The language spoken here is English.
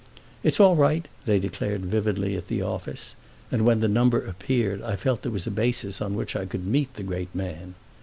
"It's all right," they declared vividly at the office; and when the number appeared I felt there was a basis on which I could meet the great man.